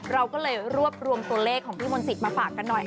เราก็เลยรวบรวมตัวเลขของพี่มนต์สิทธิมาฝากกันหน่อย